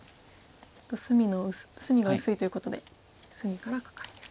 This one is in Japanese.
隅が薄いということで隅からカカエですね。